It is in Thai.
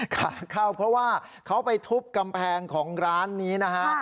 ขาเข้าเพราะว่าเขาไปทุบกำแพงของร้านนี้นะฮะ